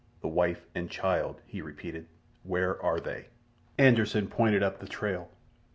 "The wife and child!" he repeated. "Where are they?" Anderssen pointed up the trail.